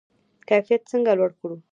کیفیت څنګه لوړ کړو؟